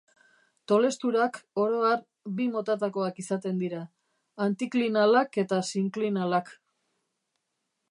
Tolesturak, oro har, bi motatakoak izaten dira: antiklinalak eta sinklinalak.